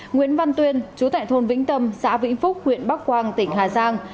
nguyễn văn tuyên chú tại thôn vĩnh tâm xã vĩnh phúc huyện bắc quang tỉnh hà giang